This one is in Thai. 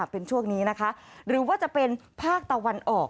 เป็นช่วงนี้นะคะหรือว่าจะเป็นภาคตะวันออก